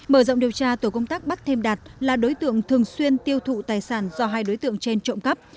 mở rộng điều tra tổ công tác bắt thêm đạt là đối tượng thường xuyên tiêu thụ tài sản do hai đối tượng trên trộm cắp